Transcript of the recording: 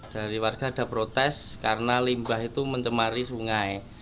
dari warga ada protes karena limbah itu mencemari sungai